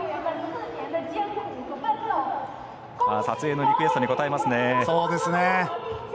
撮影のリクエストに応えますね。